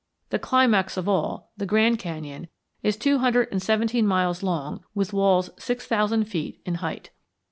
The climax of all, the Grand Canyon, is two hundred and seventeen miles long, with walls six thousand feet in height.